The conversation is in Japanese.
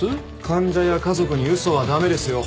患者や家族に嘘は駄目ですよ。